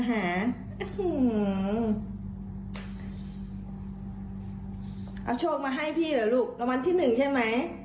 เอาโชคมาให้พี่เหรอลูกรางวัลที่๑ใช่ไหม